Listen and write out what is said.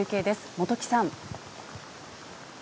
元木さん。